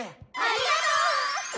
ありがとう！